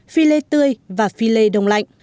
phi lê tươi và phi lê đông lạnh